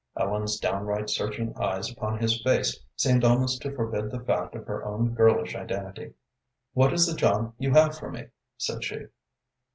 Ellen's downright, searching eyes upon his face seemed almost to forbid the fact of her own girlish identity. "What is the job you have for me?" said she.